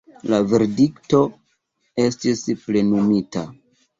La verdikto estis plenumita.